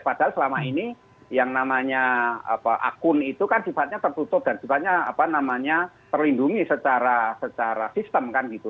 padahal selama ini yang namanya akun itu kan tiba tiba tertutup dan tiba tiba terlindungi secara sistem kan gitu